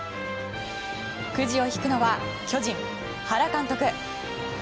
くじを引くのは、巨人、原監督。